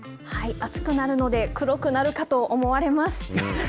暑くなるので黒くなるかと思われます。